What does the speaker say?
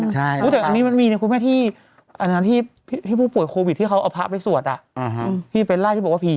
อ่อใช่ที่ลบมาที่พระพฤศนาใช่ไหม